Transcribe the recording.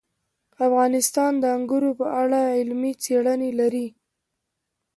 افغانستان د انګور په اړه علمي څېړنې لري.